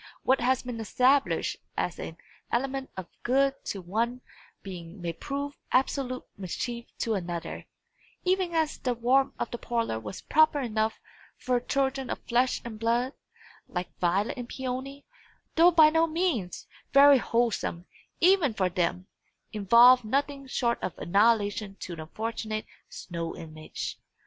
What has been established as an element of good to one being may prove absolute mischief to another; even as the warmth of the parlour was proper enough for children of flesh and blood, like Violet and Peony though by no means very wholesome, even for them involved nothing short of annihilation to the unfortunate snow image.